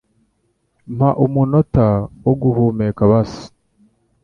Mpa umunota wo guhumeka basi.